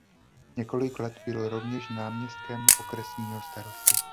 Několik let byl rovněž náměstkem okresního starosty.